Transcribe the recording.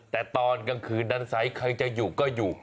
แต่ตอนกลางคืนดันใสใครจะอยู่ก็อยู่